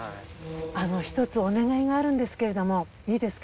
１つお願いがあるんですけれどもいいですか？